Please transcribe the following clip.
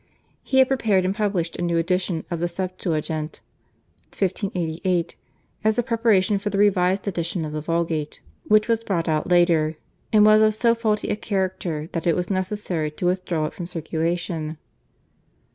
He had prepared and published a new edition of the Septuagint (1588) as a preparation for the revised edition of the Vulgate, which was brought out later, and was of so faulty a character that it was necessary to withdraw it from circulation.